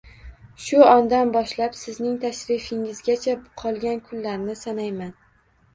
Shu ondan boshlab sizning tashrifingizgacha qolgan kunlarni sanayman